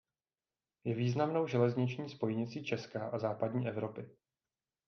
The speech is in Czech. Je významnou železniční spojnicí Česka a západní Evropy.